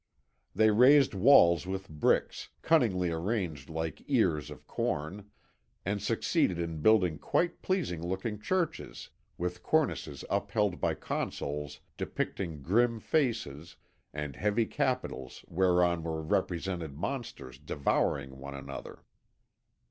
They raised walls with bricks, cunningly arranged like ears of corn, and succeeded in building quite pleasing looking churches with cornices upheld by consoles depicting grim faces, and heavy capitals whereon were represented monsters devouring one another.